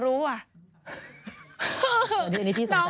ตัวไหมหัวสังหน้ารู้